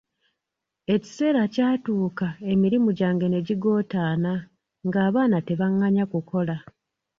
Ekiseera kyatuuka emirimu gyange ne gigootaana ng'abaana tebanganya kukola.